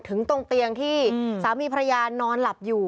ถึงตรงเตียงที่สามีภรรยานอนหลับอยู่